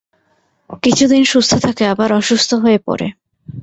কিছুদিন সুস্থ থাকে, আবার অসুস্থ হয়ে পড়ে।